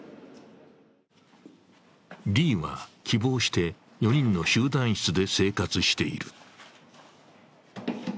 Ｄは、希望して４人の集団室で生活している。